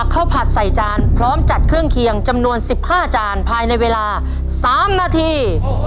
ผัดใส่จานพร้อมจัดเครื่องเคียงจำนวน๑๕จานภายในเวลา๓นาที